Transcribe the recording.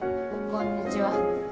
こんにちは。